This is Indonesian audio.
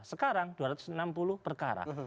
sekarang dua ratus enam puluh perkara